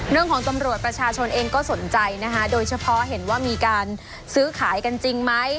ตำรวจประชาชนเองก็สนใจนะคะโดยเฉพาะเห็นว่ามีการซื้อขายกันจริงไหม